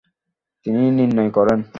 তিনি নির্ণয় করেন।